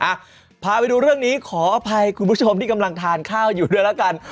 อ่ะพาไปดูเรื่องนี้ขออภัยคุณผู้ชมที่กำลังทานข้าวอยู่ด้วยแล้วกัน